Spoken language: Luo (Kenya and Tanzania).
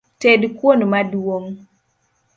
Ted kuon maduong’